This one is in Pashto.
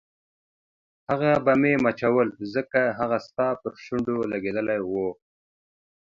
هغه به مې مچول ځکه هغه ستا پر شونډو لګېدلي وو.